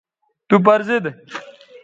تو پر زید